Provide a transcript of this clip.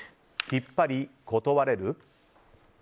きっぱり断れる？